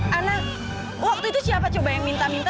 karena waktu itu siapa coba yang minta minta